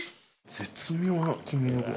絶妙な黄身の具合。